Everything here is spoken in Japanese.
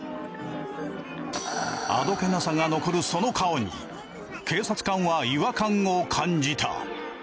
あどけなさが残るその顔に警察官は違和感を感じた。